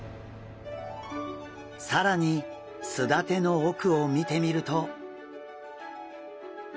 さらにすだての奥を見てみると。